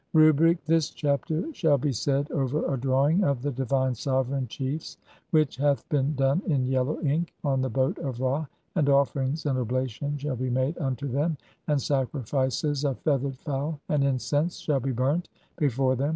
Rubric : this chapter shall be said over a drawing of the DIVINE SOVEREIGN CHIEFS, WHICH HATH BEEN DONE IN YELLOW INK, (22) ON THE BOAT OF RA ; AND OFFERINGS AND OBLATIONS SHALL BE MADE UNTO THEM, AND SACRIFICES OF FEATHERED FOWL, AND INCENSE [SHALL BE BURNT] BEFORE THEM.